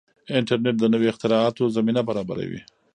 انټرنیټ د نویو اختراعاتو زمینه برابروي.